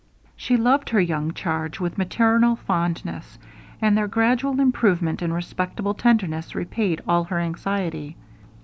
She loved her young charge with maternal fondness, and their gradual improvement and respectful tenderness repaid all her anxiety.